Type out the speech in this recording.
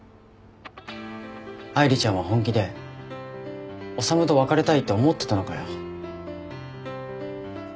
愛梨ちゃんは本気で修と別れたいって思ってたのかよ。